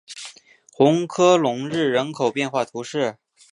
红科隆日人口变化图示